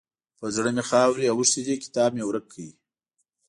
پر زړه مې خاورې اوښتې دي؛ کتاب مې ورک کړ.